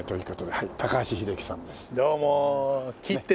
はい。